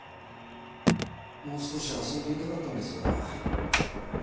もう少し遊んでいたかったんですが。